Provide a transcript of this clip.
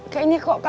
kayaknya kok sakit